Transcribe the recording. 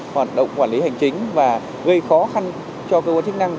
hoạt động quản lý hành chính và gây khó khăn cho cơ quan chức năng